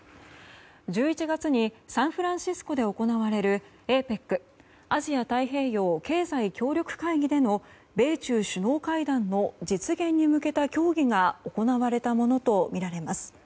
１１月にサンフランシスコで行われるＡＰＥＣ・アジア太平洋経済協力会議での米中首脳会談の実現に向けた協議が行われたものとみられます。